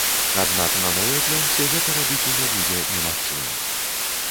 Аднак на новай плёнцы гэта рабіць ужо будзе немагчыма.